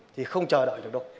thì không chờ đợi được đâu